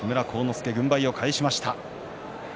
助、軍配を返しました。